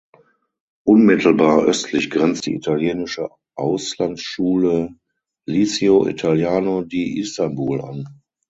Unmittelbar östlich grenzt die italienische Auslandsschule "Liceo Italiano di Istanbul" an.